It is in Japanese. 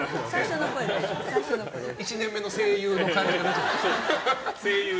１年目の声優の感じが出ちゃってる。